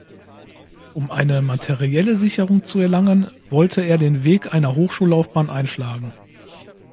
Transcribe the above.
Um eine materielle Sicherung zu erlangen, wollte er den Weg einer Hochschullaufbahn einschlagen.